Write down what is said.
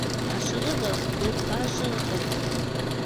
— Ашығығыҙ, клубҡа ашығығыҙ